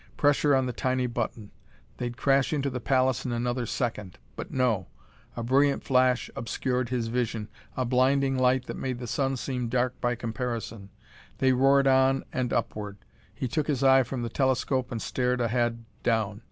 Pressure on the tiny button. They'd crash into the palace in another second! But no, a brilliant flash obscured his vision, a blinding light that made the sun seem dark by comparison. They roared on and upward. He took his eye from the telescope and stared ahead, down.